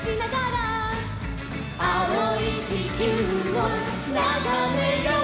「あおいちきゅうをながめよう！」